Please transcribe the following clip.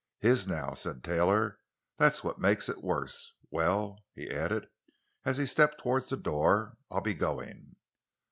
"His—now," said Taylor; "that's what makes it worse. Well," he added as he stepped toward the door, "I'll be going."